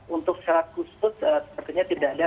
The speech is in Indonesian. untuk syarat khusus sepertinya tidak ada